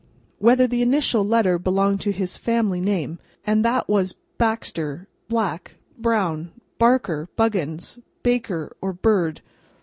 Whether the initial letter belonged to his family name, and that was Baxter, Black, Brown, Barker, Buggins, Baker, or Bird.